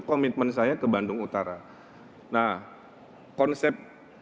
komitmen saya ke bandung utara nah konsep